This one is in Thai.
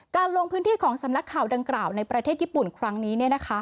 ลงพื้นที่ของสำนักข่าวดังกล่าวในประเทศญี่ปุ่นครั้งนี้